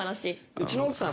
うちの奥さん